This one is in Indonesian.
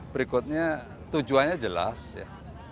berikutnya tujuannya jelas ya